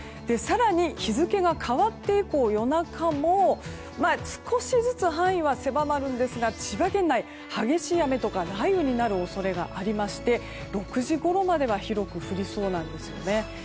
更に、日付が変わって以降夜中も少しずつ範囲は狭まるんですが千葉県内、激しい雨とか雷雨になる恐れがありまして６時ごろまでは広く降りそうなんですよね。